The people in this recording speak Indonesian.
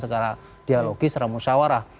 secara dialogis ramusyawarah